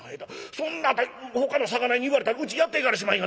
そんなんほかの魚屋に言われたらうちやっていかれしまへん。